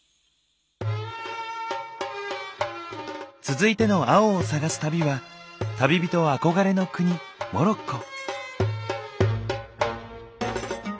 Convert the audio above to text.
続いての青を探す旅は旅人憧れの国モロッコ。